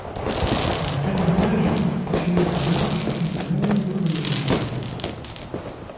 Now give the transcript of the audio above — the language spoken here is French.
Le quadrillage est constitué de larges et longues colonnes.